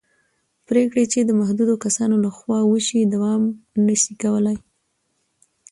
پرېکړې چې د محدودو کسانو له خوا وشي دوام نه شي کولی